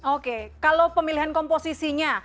oke kalau pemilihan komposisinya